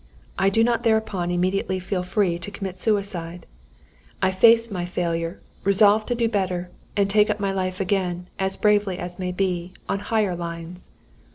I do not thereupon immediately feel free to commit suicide. I face my failure, resolve to do better, and take up my life again, as bravely as may be, on higher lines.